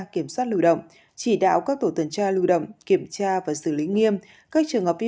kiểm soát lưu động chỉ đạo các tổ tuần tra lưu động kiểm tra và xử lý nghiêm các trường hợp vi